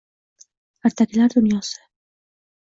Ertaklar dunyosi